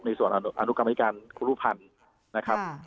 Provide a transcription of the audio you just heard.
ในส่วนอนุกรรมนิการครูรุภัณฑ์นะครับ